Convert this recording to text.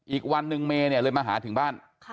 อีกวันหนึ่งเมเลยมาหาถึงบ้าน